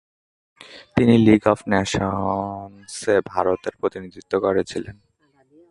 তিনি league of নেশনসে ভারতের প্রতিনিধিত্ব করেছিলেন।